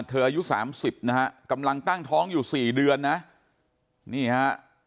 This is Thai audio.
เธออายุ๓๐นะฮะกำลังตั้งท้องอยู่๔เดือนนะนี่ฮะ